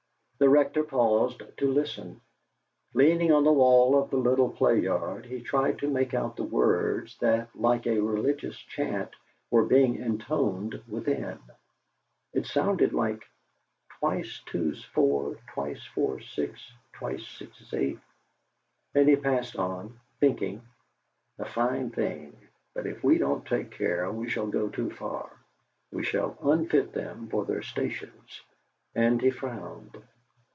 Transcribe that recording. The Rector paused to listen. Leaning on the wall of the little play yard, he tried to make out the words that, like a religious chant, were being intoned within. It sounded like, "Twice two's four, twice four's six, twice six's eight," and he passed on, thinking, 'A fine thing; but if we don't take care we shall go too far; we shall unfit them for their stations,' and he frowned.